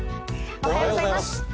おはようございます。